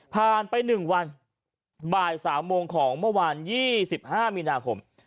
ผ่านไปหนึ่งวันบ่ายสามโมงของเมื่อวานยี่สิบห้ามีนาคม